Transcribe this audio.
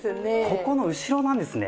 ここの後ろなんですね。